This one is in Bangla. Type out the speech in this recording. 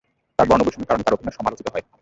তার বর্ণবৈষম্যের কারণে তার অভিনয় সমালোচিত হয়।